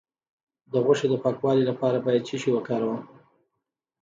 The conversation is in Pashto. د غوښې د پاکوالي لپاره باید څه شی وکاروم؟